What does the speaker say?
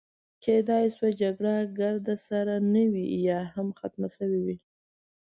کیدای شوه جګړه ګرد سره نه وي، یا هم ختمه شوې وي.